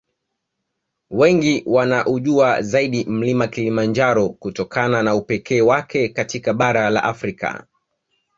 Wengi wanaUjua zaidi Mlima Kilimanjaro kutokana na upekee wake katika bara la Afrika